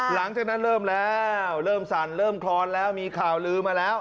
หลังจากนั้นเริ่มแล้วเริ่มสั่นเริ่มคลอนแล้วมีข่าวลือมาแล้ว